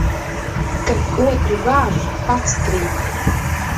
Kas otru gāž, pats krīt.